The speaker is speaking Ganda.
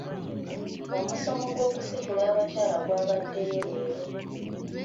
Omusomo gw'okusitula abakyala gwabaddeyo leero.